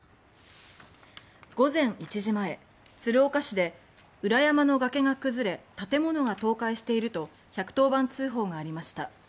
午前１時前、鶴岡市で裏山の崖が崩れ建物が倒壊していると１１０番通報がありました。